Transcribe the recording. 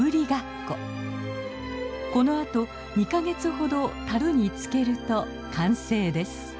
このあと２か月ほどたるに漬けると完成です。